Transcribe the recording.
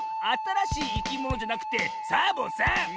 あたらしいいきものじゃなくてサボさん！